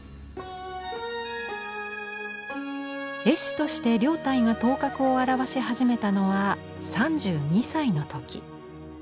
絵師として凌岱が頭角を現し始めたのは３２歳の時。